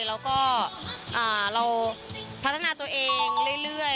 แล้วก็เราพัฒนาตัวเองเรื่อย